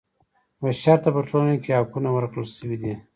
بشر ته په ټولنه کې حقونه ورکړل شوي دي.